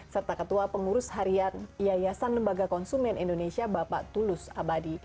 serta ketua pengurus harian yayasan lembaga konsumen indonesia bapak tulus abadi